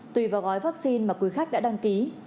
tùy vào gói vaccine mà quý khách đã đăng ký